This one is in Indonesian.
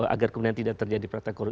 agar kemudian tidak terjadi proteksi